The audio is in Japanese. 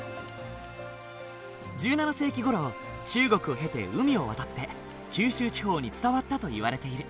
１７世紀ごろ中国を経て海を渡って九州地方に伝わったといわれている。